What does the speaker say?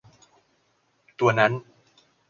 ตัวนั้น